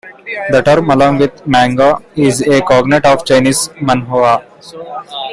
The term, along with manga, is a cognate of the Chinese manhua.